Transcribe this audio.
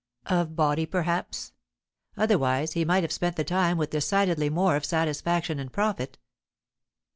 Of body perhaps; otherwise, he might have spent the time with decidedly more of satisfaction and profit.